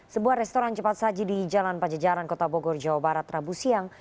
sebuah restoran cepat saji di jalan pajajaran kota bogor jawa barat rabu siang